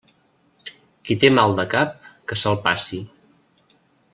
Qui té mal de cap que se'l passi.